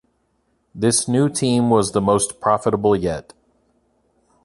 This new team was the most profitable yet.